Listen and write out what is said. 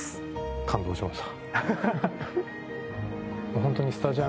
感動しました。